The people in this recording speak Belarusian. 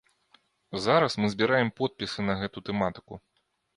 Зараз мы збіраем подпісы на гэту тэматыку.